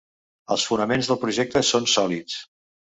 Els fonaments del projecte són sòlids.